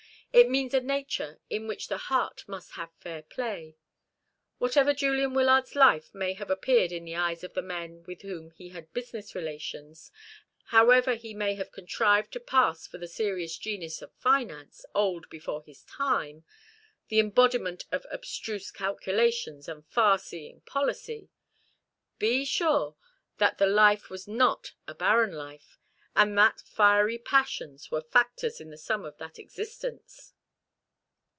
It means a nature in which the heart must have fair play. Whatever Julian Wyllard's life may have appeared in the eyes of the men with whom he had business relations however he may have contrived to pass for the serious genius of finance, old before his time, the embodiment of abstruse calculations and far seeing policy be sure that the life was not a barren life, and that fiery passions were factors in the sum of that existence."